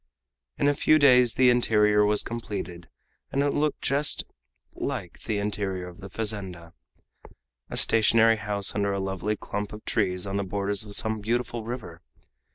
In a few days the interior was completed, and it looked just like the interior of the fazenda. A stationary house under a lovely clump of trees on the borders of some beautiful river!